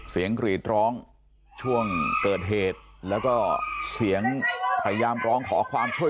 กรีดร้องช่วงเกิดเหตุแล้วก็เสียงพยายามร้องขอความช่วย